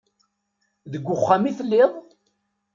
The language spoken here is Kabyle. Deg uxxam itelliḍ?